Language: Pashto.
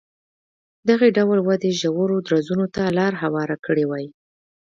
دغې ډول ودې ژورو درزونو ته لار هواره کړې وای.